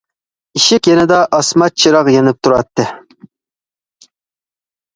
ئىشىك يېنىدا ئاسما چىراغ يېنىپ تۇراتتى.